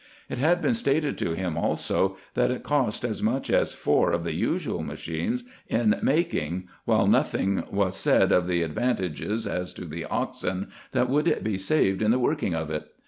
It had been stated to him, also, that it cost as much as four of the usual machines in making, while nothing was 24 RESEARCHES AND OPERATIONS said of the advantages as to the oxen, that would be saved in the working of it.